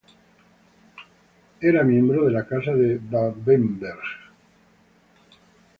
Era miembro de la Casa de Babenberg.